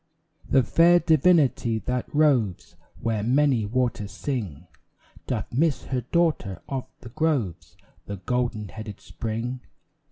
The fair divinity that roves Where many waters sing Doth miss her daughter of the groves The golden headed Spring.